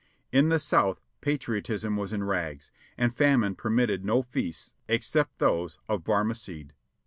In the South patriotism was in rags, and famine permitted no feasts except those of Barmacede.